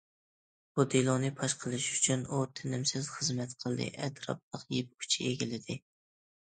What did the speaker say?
بۇ دېلونى پاش قىلىش ئۈچۈن ئۇ تىنىمسىز خىزمەت قىلدى، ئەتراپلىق يىپ ئۇچى ئىگىلىدى.